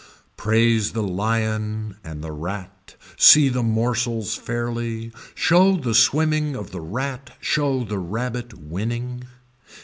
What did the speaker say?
Praise the lion and the rat, see the morsels fairly, show the swimming of the rat show the rabbit winning.